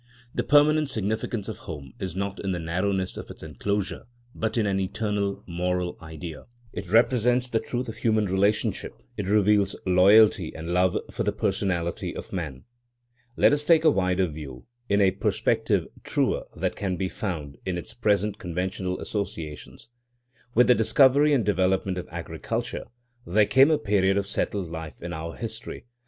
The permanent significance of home is not in the narrowness of its enclosure, but in an eternal moral idea. It represents the truth of human relationship; it reveals loyalty and love for the personality of man. Let us take a wider view, in a perspective truer than can be found in its present conventional associations. With the discovery and development of agriculture there came a period of settled life in our history.